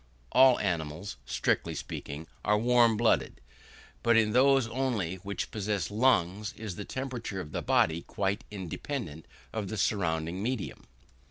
All animals, strictly speaking, are warm blooded; but in those only which possess lungs is the temperature of the body quite independent of the surrounding medium.